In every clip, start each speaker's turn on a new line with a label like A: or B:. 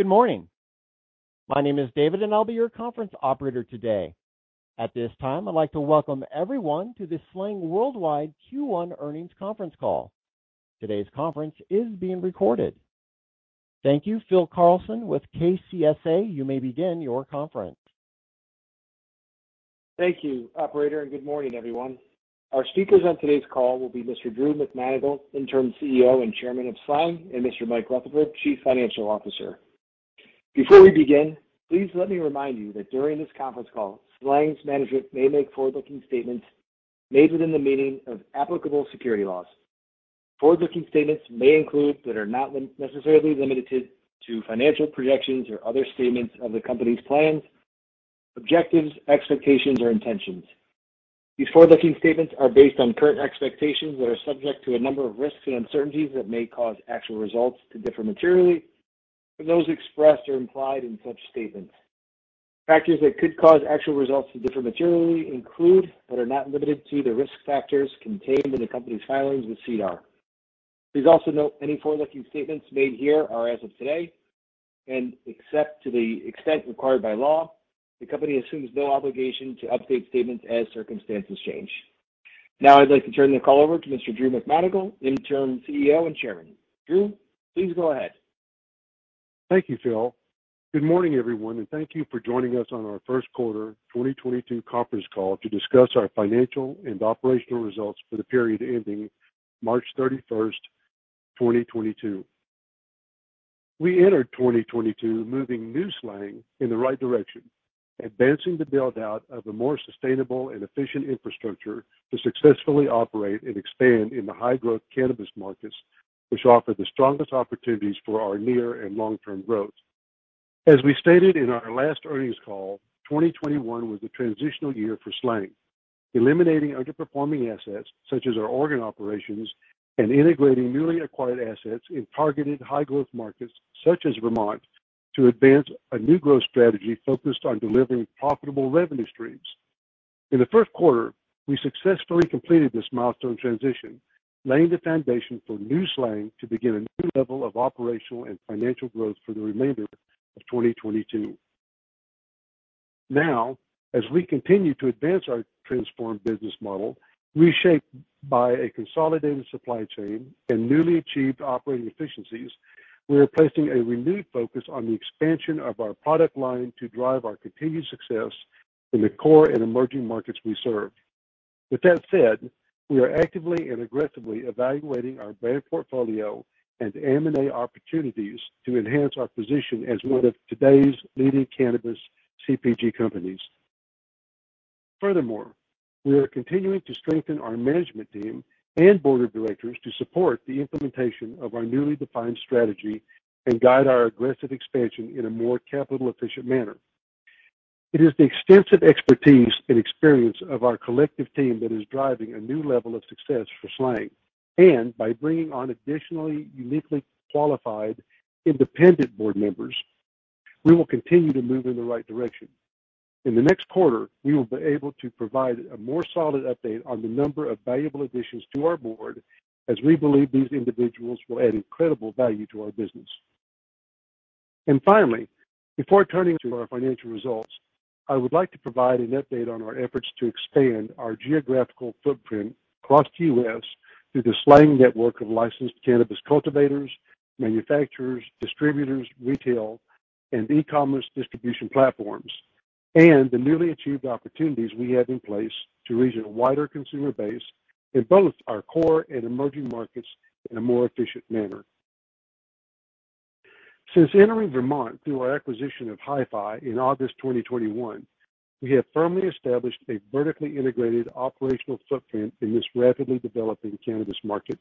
A: Good morning. My name is David, and I'll be your conference operator today. At this time, I'd like to welcome everyone to the SLANG Worldwide Q1 Earnings Conference Call. Today's conference is being recorded. Thank you, Phil Carlson with KCSA. You may begin your conference.
B: Thank you, operator, and good morning, everyone. Our speakers on today's call will be Mr. Drew McManigle, Interim CEO and Chairman of SLANG, and Mr. Mikel Rutherford, Chief Financial Officer. Before we begin, please let me remind you that during this conference call, SLANG's management may make forward-looking statements made within the meaning of applicable securities laws. Forward-looking statements may include, but are not necessarily limited to, financial projections or other statements of the company's plans, objectives, expectations, or intentions. These forward-looking statements are based on current expectations that are subject to a number of risks and uncertainties that may cause actual results to differ materially from those expressed or implied in such statements. Factors that could cause actual results to differ materially include, but are not limited to, the risk factors contained in the company's filings with SEDAR. Please also note any forward-looking statements made here are as of today, and except to the extent required by law, the company assumes no obligation to update statements as circumstances change. Now I'd like to turn the call over to Mr. Drew McManigle, Interim CEO and Chairman. Drew, please go ahead.
C: Thank you, Phil. Good morning, everyone, and thank you for joining us on our Q1, 2022 conference call to discuss our financial and operational results for the period ending March 31, 2022. We entered 2022 moving new SLANG in the right direction, advancing the build-out of a more sustainable and efficient infrastructure to successfully operate and expand in the high-growth cannabis markets, which offer the strongest opportunities for our near and long-term growth. As we stated in our last earnings call, 2021 was a transitional year for SLANG, eliminating underperforming assets such as our Oregon operations and integrating newly acquired assets in targeted high-growth markets such as Vermont to advance a new growth strategy focused on delivering profitable revenue streams. In the Q1, we successfully completed this milestone transition, laying the foundation for new SLANG to begin a new level of operational and financial growth for the remainder of 2022. Now, as we continue to advance our transformed business model, reshaped by a consolidated supply chain and newly achieved operating efficiencies, we are placing a renewed focus on the expansion of our product line to drive our continued success in the core and emerging markets we serve. With that said, we are actively and aggressively evaluating our brand portfolio and M&A opportunities to enhance our position as one of today's leading cannabis CPG companies. Furthermore, we are continuing to strengthen our management team and board of directors to support the implementation of our newly defined strategy and guide our aggressive expansion in a more capital-efficient manner. It is the extensive expertise and experience of our collective team that is driving a new level of success for SLANG. By bringing on additionally uniquely qualified independent board members, we will continue to move in the right direction. In the next quarter, we will be able to provide a more solid update on the number of valuable additions to our board as we believe these individuals will add incredible value to our business. Finally, before turning to our financial results, I would like to provide an update on our efforts to expand our geographical footprint across the US through the SLANG network of licensed cannabis cultivators, manufacturers, distributors, retail, and e-commerce distribution platforms, and the newly achieved opportunities we have in place to reach a wider consumer base in both our core and emerging markets in a more efficient manner. Since entering Vermont through our acquisition of HI-FI in August 2021, we have firmly established a vertically integrated operational footprint in this rapidly developing cannabis market,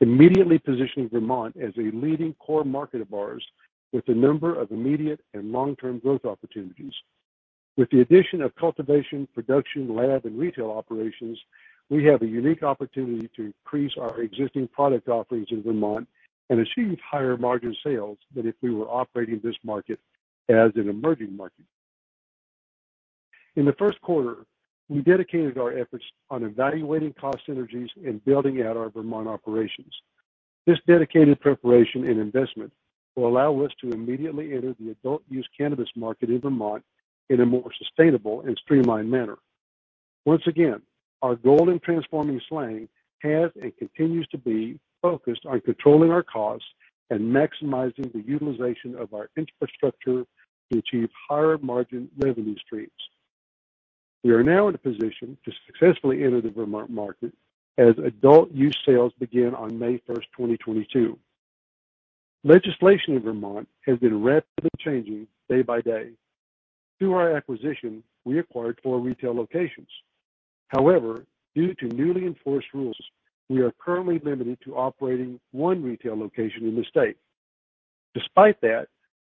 C: immediately positioning Vermont as a leading core market of ours with a number of immediate and long-term growth opportunities. With the addition of cultivation, production, lab, and retail operations, we have a unique opportunity to increase our existing product offerings in Vermont and achieve higher margin sales than if we were operating this market as an emerging market. In the Q1, we dedicated our efforts on evaluating cost synergies and building out our Vermont operations. This dedicated preparation and investment will allow us to immediately enter the adult use cannabis market in Vermont in a more sustainable and streamlined manner. Once again, our goal in transforming SLANG has and continues to be focused on controlling our costs and maximizing the utilization of our infrastructure to achieve higher margin revenue streams. We are now in a position to successfully enter the Vermont market as adult use sales begin on May 1, 2022. Legislation in Vermont has been rapidly changing day by day. Through our acquisition, we acquired four retail locations. However, due to newly enforced rules, we are currently limited to operating one retail location in the state. Despite that,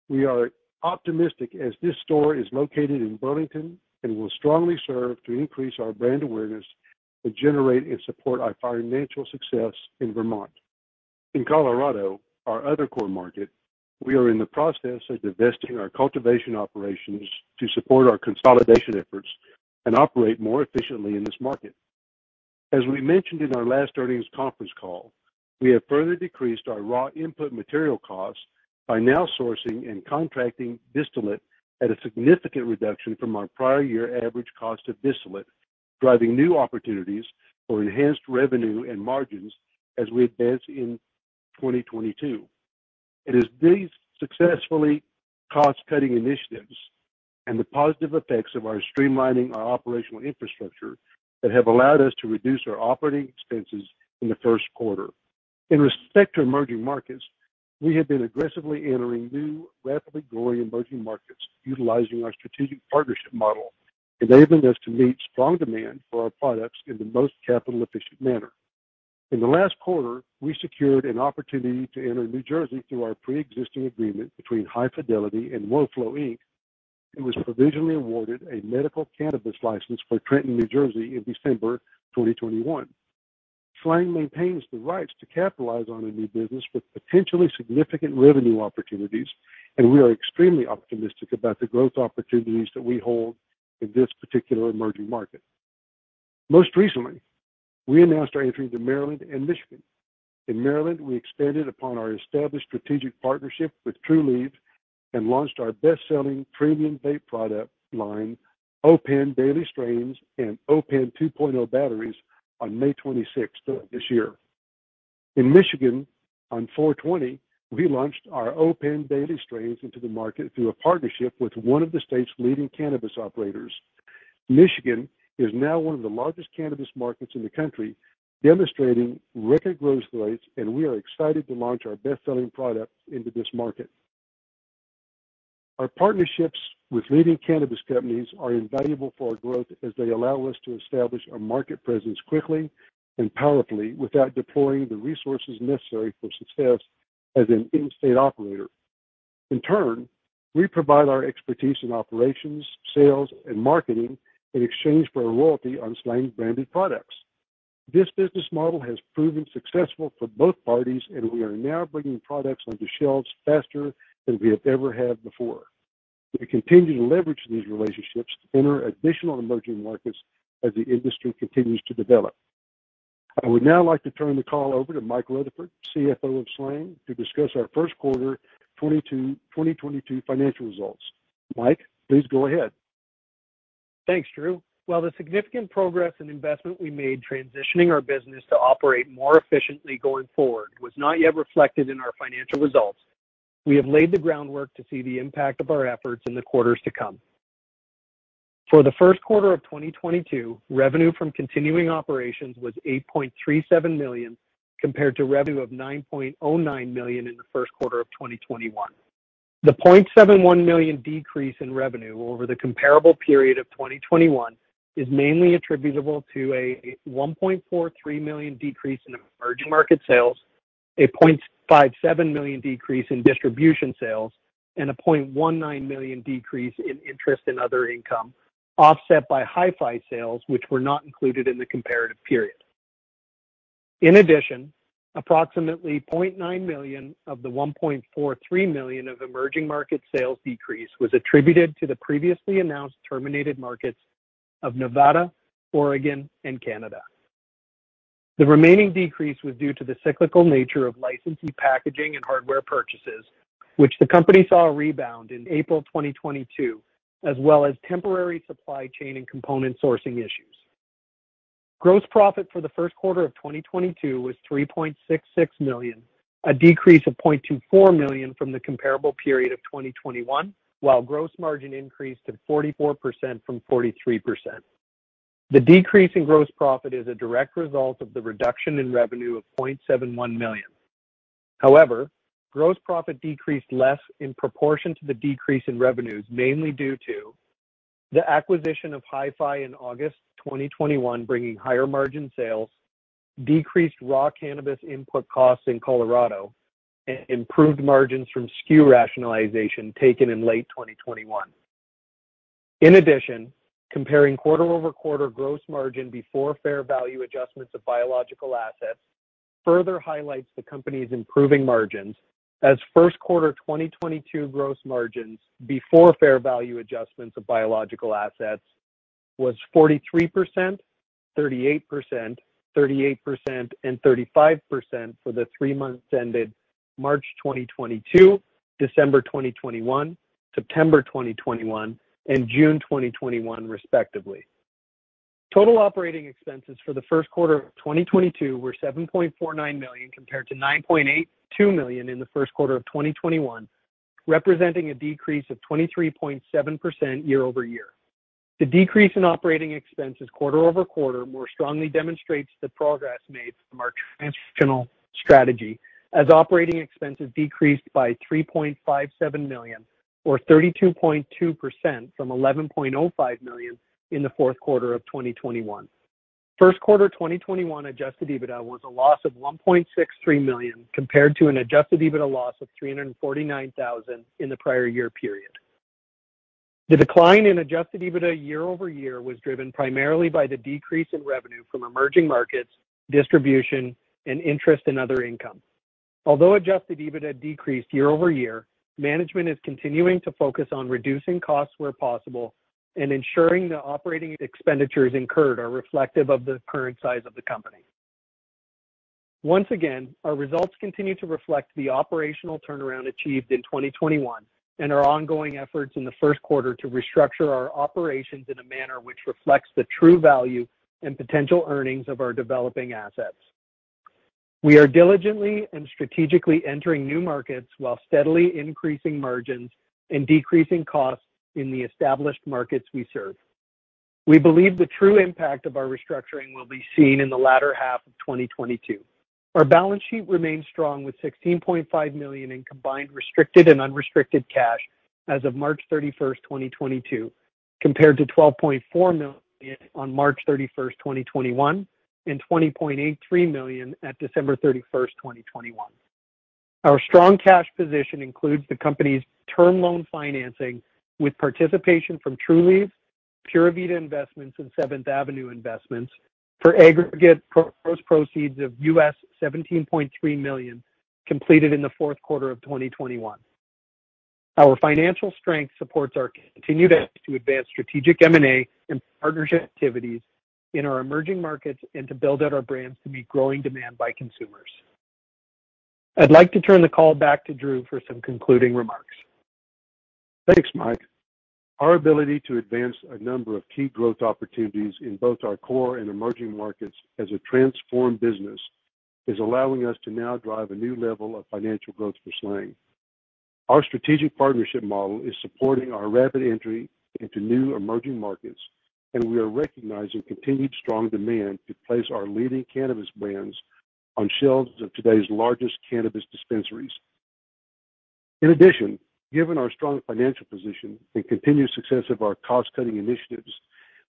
C: we are optimistic as this store is located in Burlington and will strongly serve to increase our brand awareness and generate and support our financial success in Vermont. In Colorado, our other core market, we are in the process of divesting our cultivation operations to support our consolidation efforts and operate more efficiently in this market. As we mentioned in our last earnings conference call, we have further decreased our raw input material costs by now sourcing and contracting distillate at a significant reduction from our prior year average cost of distillate, driving new opportunities for enhanced revenue and margins as we advance in 2022. It is these successfully cost-cutting initiatives and the positive effects of our streamlining our operational infrastructure that have allowed us to reduce our operating expenses in the Q1, in respect to emerging markets, we have been aggressively entering new, rapidly growing emerging markets, utilizing our strategic partnership model, enabling us to meet strong demand for our products in the most capital efficient manner. In the last quarter, we secured an opportunity to enter New Jersey through our pre-existing agreement between High Fidelity and Woflow, Inc., and was provisionally awarded a medical cannabis license for Trenton, New Jersey in December 2021. SLANG maintains the rights to capitalize on a new business with potentially significant revenue opportunities, and we are extremely optimistic about the growth opportunities that we hold in this particular emerging market. Most recently, we announced our entry into Maryland and Michigan. In Maryland, we expanded upon our established strategic partnership with Trulieve and launched our best-selling premium vape product line, O.pen Daily Strains, and O.pen 2.0 batteries on May 26th of this year. In Michigan, on 4/20, we launched our O.pen Daily Strains into the market through a partnership with one of the state's leading cannabis operators. Michigan is now one of the largest cannabis markets in the country, demonstrating record growth rates, and we are excited to launch our best-selling products into this market. Our partnerships with leading cannabis companies are invaluable for our growth as they allow us to establish a market presence quickly and powerfully without deploying the resources necessary for success as an in-state operator. In turn, we provide our expertise in operations, sales, and marketing in exchange for a royalty on SLANG-branded products. This business model has proven successful for both parties, and we are now bringing products onto shelves faster than we have ever had before. We continue to leverage these relationships to enter additional emerging markets as the industry continues to develop. I would now like to turn the call over to Mikel Rutherford, CFO of SLANG, to discuss our Q1 2022 financial results. Mike, please go ahead.
D: Thanks, Drew. While the significant progress and investment we made transitioning our business to operate more efficiently going forward was not yet reflected in our financial results, we have laid the groundwork to see the impact of our efforts in the quarters to come. For the Q1 of 2022, revenue from continuing operations was $8.37 million, compared to revenue of $9.09 million in the Q1 of 2021. The $0.71 million decrease in revenue over the comparable period of 2021 is mainly attributable to a $1.43 million decrease in emerging market sales, a $0.57 million decrease in distribution sales, and a $0.19 million decrease in interest and other income, offset by HI-FI sales, which were not included in the comparative period. In addition, approximately $0.9 million of the $1.43 million of emerging market sales decrease was attributed to the previously announced terminated markets of Nevada, Oregon, and Canada. The remaining decrease was due to the cyclical nature of licensee packaging and hardware purchases, which the company saw a rebound in April 2022, as well as temporary supply chain and component sourcing issues. Gross profit for the Q1 of 2022 was $3.66 million, a decrease of $0.24 million from the comparable period of 2021, while gross margin increased to 44% from 43%. The decrease in gross profit is a direct result of the reduction in revenue of $0.71 million. However, gross profit decreased less in proportion to the decrease in revenues, mainly due to the acquisition of HI-FI in August 2021, bringing higher margin sales, decreased raw cannabis input costs in Colorado, and improved margins from SKU rationalization taken in late 2021. In addition, comparing quarter-over-quarter gross margin before fair value adjustments of biological assets further highlights the company's improving margins as Q1 2022 gross margins before fair value adjustments of biological assets was 43%, 38%, 38%, and 35% for the three months ended March 2022, December 2021, September 2021, and June 2021, respectively. Total operating expenses for the Q1 of 2022 were $7.49 million compared to $9.82 million in the Q1 of 2021 representing a decrease of 23.7% year-over-year. The decrease in operating expenses quarter-over-quarter more strongly demonstrates the progress made from our transitional strategy as operating expenses decreased by $3.57 million or 32.2% from $11.05 million in the Q4 of 2021. Q1 2021 adjusted EBITDA was a loss of $1.63 million compared to an adjusted EBITDA loss of $349,000 in the prior year period. The decline in adjusted EBITDA year-over-year was driven primarily by the decrease in revenue from emerging markets, distribution, and interest and other income. Although adjusted EBITDA decreased year-over-year, management is continuing to focus on reducing costs where possible and ensuring the operating expenditures incurred are reflective of the current size of the company. Once again, our results continue to reflect the operational turnaround achieved in 2021 and our ongoing efforts in the Q1 to restructure our operations in a manner which reflects the true value and potential earnings of our developing assets. We are diligently and strategically entering new markets while steadily increasing margins and decreasing costs in the established markets we serve. We believe the true impact of our restructuring will be seen in the latter half of 2022. Our balance sheet remains strong with $16.5 million in combined restricted and unrestricted cash as of March 31, 2022, compared to $12.4 million on March 31, 2021, and $20.83 million at December 31, 2021. Our strong cash position includes the company's term loan financing with participation from Trulieve, Pura Vida Investments, and Seventh Avenue Investments for aggregate gross proceeds of $17.3 million, completed in the Q4 of 2021. Our financial strength supports our continued efforts to advance strategic M&A and partnership activities in our emerging markets and to build out our brands to meet growing demand by consumers. I'd like to turn the call back to Drew for some concluding remarks.
C: Thanks, Mike. Our ability to advance a number of key growth opportunities in both our core and emerging markets as a transformed business is allowing us to now drive a new level of financial growth for SLANG. Our strategic partnership model is supporting our rapid entry into new emerging markets, and we are recognizing continued strong demand to place our leading cannabis brands on shelves of today's largest cannabis dispensaries. In addition, given our strong financial position and continued success of our cost-cutting initiatives,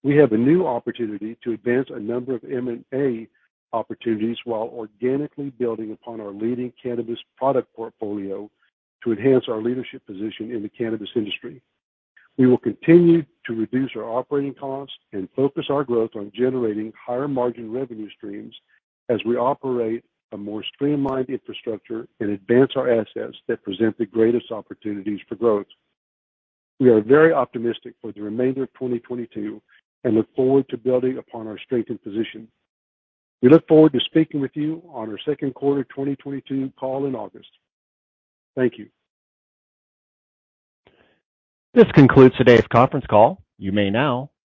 C: we have a new opportunity to advance a number of M&A opportunities while organically building upon our leading cannabis product portfolio to enhance our leadership position in the cannabis industry. We will continue to reduce our operating costs and focus our growth on generating higher margin revenue streams as we operate a more streamlined infrastructure and advance our assets that present the greatest opportunities for growth. We are very optimistic for the remainder of 2022 and look forward to building upon our strengthened position. We look forward to speaking with you on our Q2 2022 call in August. Thank you.
A: This concludes today's conference call. You may now disconnect.